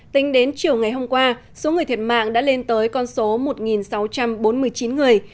tính đến chiều ngày hôm qua số người thiệt mạng đã lên tới con số một sáu trăm bốn mươi chín người